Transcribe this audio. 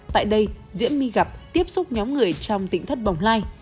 tại đây diễm my gặp tiếp xúc nhóm người trong tỉnh thất bồng lai